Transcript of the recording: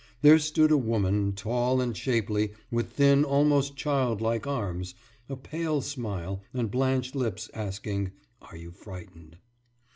There stood a woman, tall and shapely, with thin, almost child like arms, a pale smile, and blanched lips, asking: »Are you frightened?